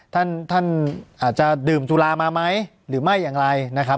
ท่านท่านอาจจะดื่มสุรามาไหมหรือไม่อย่างไรนะครับ